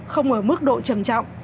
không ở mức độ trầm trọng